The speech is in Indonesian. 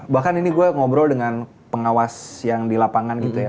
bahkan ini gue ngobrol dengan pengawas yang di lapangan gitu ya